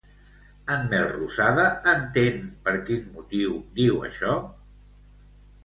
En Melrosada entén per quin motiu diu això?